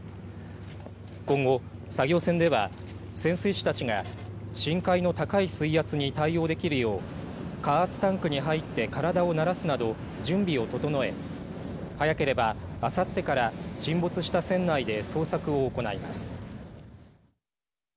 今後、作業船では潜水士たちが深海の高い水圧に対応できるよう加圧タンクに入って体を慣らすなど準備を整え早ければ、あさってから沈没した船内で捜索を行います。